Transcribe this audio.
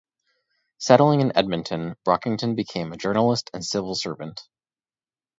Settling in Edmonton, Brockington became a journalist and civil servant.